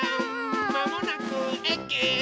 まもなくえき。